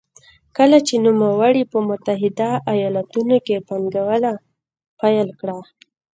کله چې نوموړي په متحده ایالتونو کې پانګونه پیل کړه.